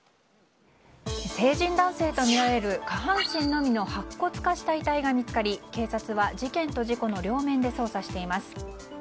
成人男性とみられる下半身のみの白骨化した遺体が見つかり警察は事件と事故の両面で捜査しています。